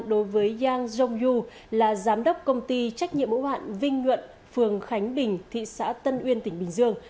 đối với yang jong u là giám đốc công ty trách nhiệm ủng hạn vinh nhuận phường khánh bình thị xã tân uyên tỉnh bình dương